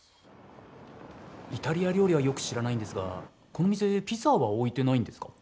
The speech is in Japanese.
イタリア料理はよく知らないんですがこの店ピザは置いてないんですか？